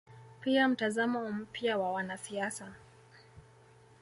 pia mtazamo mpya wa wanasiasa